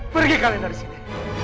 pergi kalian dari sini